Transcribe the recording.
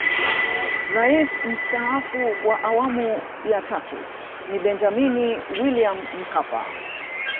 Rais Mstaafu wa Awamu ya tatu ni Benjamini William Mkapa